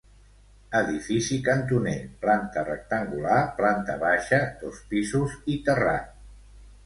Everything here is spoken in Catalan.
Edifici cantoner, planta rectangular, planta baixa, dos pisos i terrat.